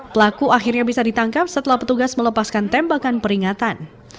pelaku akhirnya bisa ditangkap setelah petugas melepaskan tembakan peringatan